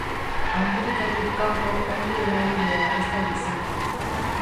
Amerikatik kanpo onddo eragilea ez da bizi.